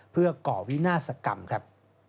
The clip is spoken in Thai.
เพื่อก่อวินาศกรรมครับ